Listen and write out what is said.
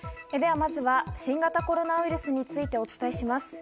まずは新型コロナウイルスについてお伝えします。